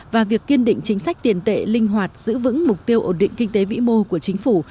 và việc kiên định chính sách tiền tệ linh hoạt giữ vững mục tiêu ổn định kinh tế vĩ mô của chính phủ